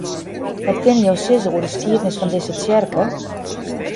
Wat kinne jo sizze oer de skiednis fan dizze tsjerke?